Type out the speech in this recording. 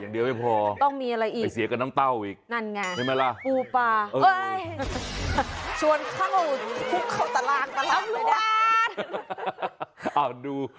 เดี๋ยวอะไรฮะต้องมีอะไรอีกนั่นไงปูปลาโอ๊ยชวนเข้าพุกเข้าตารางตารางไปด้วยอ่าดู